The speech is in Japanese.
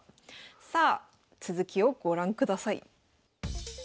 さあ続きをご覧ください。